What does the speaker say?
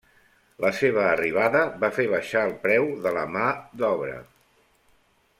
La seva arribada va fer baixar el preu de la mà d'obra.